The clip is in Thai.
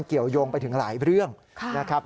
มันเกี่ยวยงไปถึงหลายเรื่องค่ะ